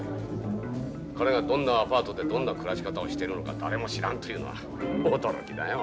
彼がどんなアパートでどんな暮らし方をしているのか誰も知らんというのは驚きだよ。